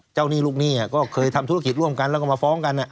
หนี้ลูกหนี้ก็เคยทำธุรกิจร่วมกันแล้วก็มาฟ้องกัน